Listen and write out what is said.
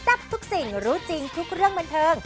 ทับทุกสิ่งรู้จริงทุกเรื่องบันเทิง